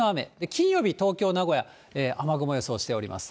金曜日、東京、名古屋、雨雲予想しております。